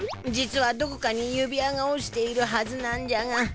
実はどこかに指輪が落ちているはずなんじゃが。